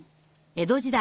江戸時代。